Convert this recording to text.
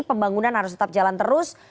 pembangunan harus tetap jalan terus